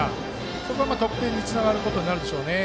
そこが得点につながることになるでしょうね。